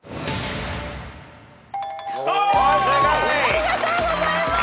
ありがとうございます！